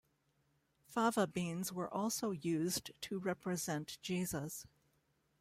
Fava beans were also used to represent Jesus.